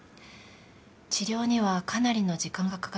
治療にはかなりの時間がかかります。